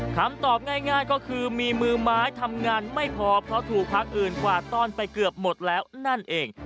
คำตอบง่ายก็คือมีมือไม้ทำงานไม่พอเพราะถูกพักอื่นกวาดต้อนไปเกือบหมดแล้วนั่นเอง